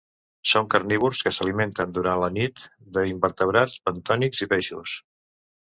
Són carnívors que s'alimenten durant la nit d'invertebrats bentònics i peixos.